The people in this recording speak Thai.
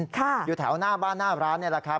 ค่ะอยู่แถวหน้าณเนี่ยนะครับ